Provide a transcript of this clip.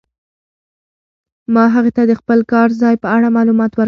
ما هغې ته د خپل کار ځای په اړه معلومات ورکړل.